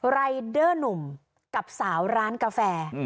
รายเดอร์หนุ่มกับสาวร้านกาแฟ